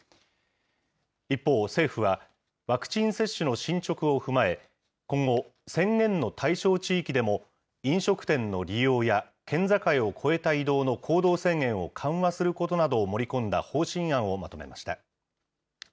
一方、政府は、ワクチン接種の進捗を踏まえ、今後、宣言の対象地域でも、飲食店の利用や県境を越えた移動の行動制限を緩和することなどを盛り込んだ方針案をまとめました。